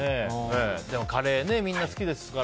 カレーみんな好きですから。